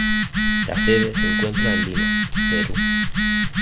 La sede se encuentra en Lima, Perú.